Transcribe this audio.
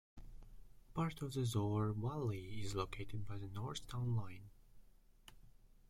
Part of the Zoar Valley is located by the north town line.